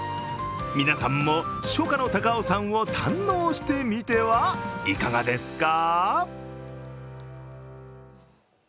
皆さんも初夏の高尾山を堪能してみてはいかがですか？